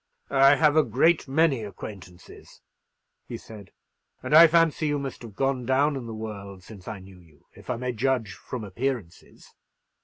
"I have a great many acquaintances," he said; "and I fancy you must have gone down in the world since I knew you, if I may judge from appearances."